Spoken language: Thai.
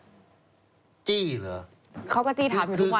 เค้าก็จี้ถามอยู่ทุกวันน่ะคุณมินครับท่านผู้ชมครับ